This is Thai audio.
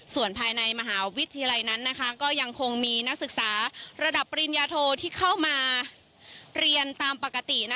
ส่วนภายในมหาวิทยาลัยนั้นก็ยังคงมีนักศึกษาระดับปริญญาโทที่เข้ามาเรียนตามปกติ